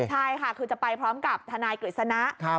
ใช่ค่ะคือจะไปพร้อมกับทนายกฤษณะ